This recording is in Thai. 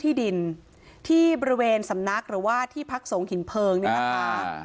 ที่ดินที่บริเวณสำนักหรือว่าที่พักสงหินเพลิงเนี่ยนะคะ